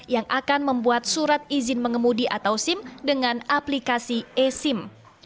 yang akan membuat surat izin mengemudi atau sim dengan aplikasi e sim